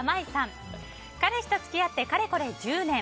彼氏と付き合ってかれこれ１０年。